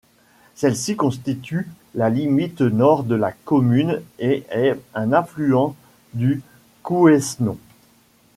Celle-ci constitue la limite nord de la commune et est un affluent du Couesnon.